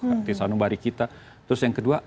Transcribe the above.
artisanubari kita terus yang kedua